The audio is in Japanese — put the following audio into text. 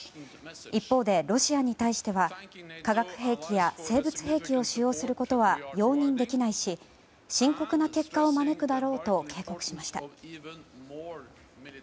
一方でロシアに対しては化学兵器や生物兵器を使用することは容認できないし深刻な結果を招くだろうと警告しました。